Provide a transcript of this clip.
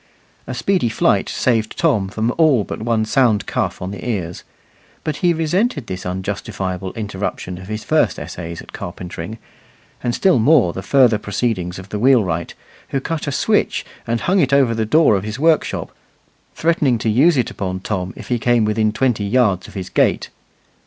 A speedy flight saved Tom from all but one sound cuff on the ears; but he resented this unjustifiable interruption of his first essays at carpentering, and still more the further proceedings of the wheelwright, who cut a switch, and hung it over the door of his workshop, threatening to use it upon Tom if he came within twenty yards of his gate.